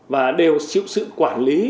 và đều chịu sự quản lý